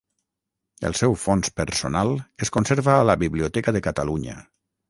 El seu fons personal es conserva a la Biblioteca de Catalunya.